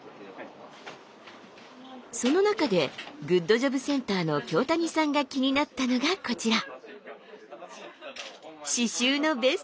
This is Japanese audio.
その中でグッドジョブセンターの京谷さんが気になったのがこちら。